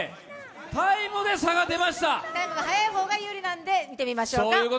タイムが速い方が有利なので見てみましょうか。